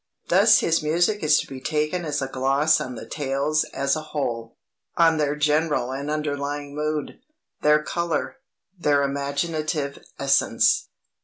Thus his music is to be taken as a gloss on the tales as a whole on their general and underlying mood, their color, their imaginative essence.